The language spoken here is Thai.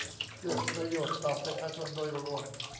เกิดประโยชน์ต่อประชาชนโดยรวม